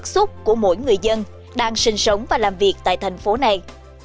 xúc của mỗi người dân đang sinh sống và làm việc tại thành phố này